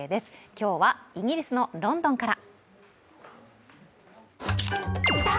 今日はイギリスのロンドンから。